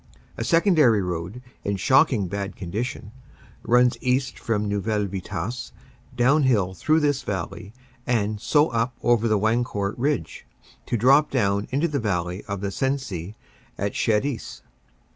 A secondary road, in shocking bad condition, runs east from Neuville Vitasse downhill through this valley, and so up over the Wancourt Ridge to drop down into the valley of the Sensee at Cherisy.